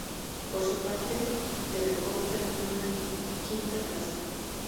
Por su parte, Delecour terminó en la quinta plaza.